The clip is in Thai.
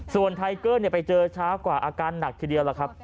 ส่วนไทเกอร์ไปเจอช้ากว่าอาการหนักทีเดียวล่ะครับ